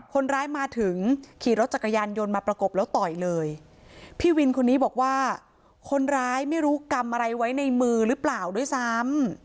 คนร้ายมาถึงขี่รถจักรยานยนต์มาประกบแล้วต่อยเลยพี่วินคนนี้บอกว่าคนร้ายไม่รู้กำอะไรไว้ในมือหรือเปล่าด้วยซ้ำ